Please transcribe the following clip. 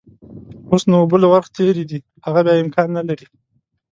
اوس نو اوبه له ورخ تېرې دي، هغه بيا امکان نلري.